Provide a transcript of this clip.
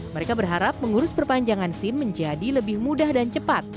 mereka berharap mengurus perpanjangan sim menjadi lebih mudah dan cepat